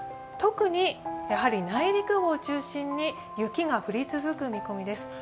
特に内陸部を中心に雪が降り続く見込みです。